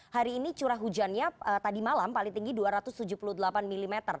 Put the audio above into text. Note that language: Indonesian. hari ini curah hujannya tadi malam paling tinggi dua ratus tujuh puluh delapan mm